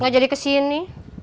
ga jadi kesini